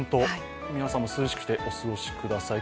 皆さんも涼しくお過ごしください。